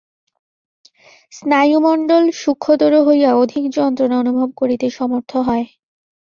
স্নায়ুমণ্ডল সূক্ষ্মতর হইয়া অধিক যন্ত্রণা অনুভব করিতে সমর্থ হয়।